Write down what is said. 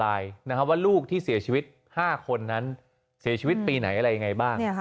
ว่าลูกที่เสียชีวิต๕คนนั้นเสียชีวิตปีไหนอะไรยังไงบ้าง